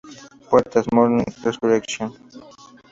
Puertas: ""Morning Resurrección"".